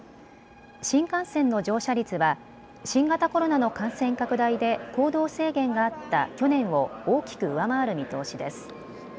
新幹線の乗車率は新型コロナの感染拡大で行動制限があった去年を大きく上回る見通しです。